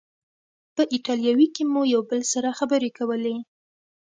په ایټالوي کې مو یو له بل سره خبرې کولې.